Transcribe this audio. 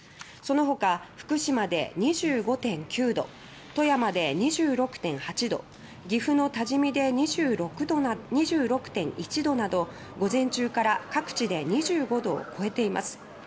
その他、福島で２５．９度富山で２６．８度岐阜の多治見で２６．１度など午前中から各地で２５度を超えています。